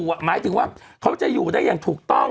หมายถึงว่าเขาจะอยู่ได้อย่างถูกต้อง